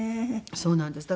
そうなんです。